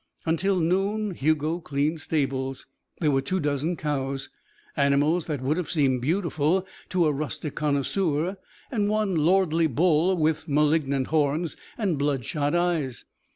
Until noon Hugo cleaned stables. There were two dozen cows animals that would have seemed beautiful to a rustic connoisseur and one lordly bull with malignant horns and bloodshot eyes.